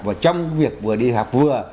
và trong việc vừa đi học vừa